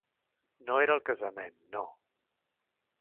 No era el cansament, no.